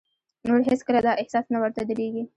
نور هېڅ کله دا احساس نه ورته درېږي.